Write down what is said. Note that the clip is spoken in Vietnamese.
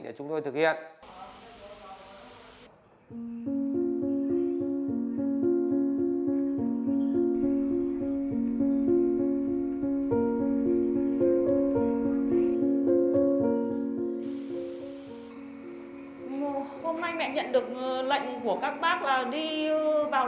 hôm nay mẹ nhận được lệnh của các bác là đi vào